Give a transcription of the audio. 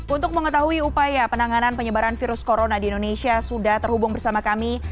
untuk mengetahui upaya penanganan penyebaran virus corona di indonesia sudah terhubung bersama kami